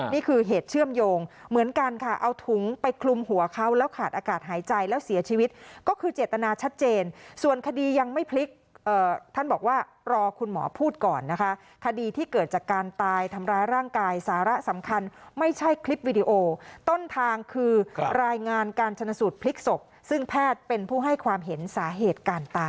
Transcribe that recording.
นี่คือเหตุเชื่อมโยงเหมือนกันค่ะเอาถุงไปคลุมหัวเขาแล้วขาดอากาศหายใจแล้วเสียชีวิตก็คือเจตนาชัดเจนส่วนคดียังไม่พลิกท่านบอกว่ารอคุณหมอพูดก่อนนะคะคดีที่เกิดจากการตายทำร้ายร่างกายสาระสำคัญไม่ใช่คลิปวิดีโอต้นทางคือรายงานการชนสูตรพลิกศพซึ่งแพทย์เป็นผู้ให้ความเห็นสาเหตุการตาย